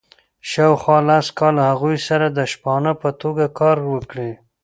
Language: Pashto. شاوخوا لس کاله هغوی سره د شپانه په توګه کار وکړي.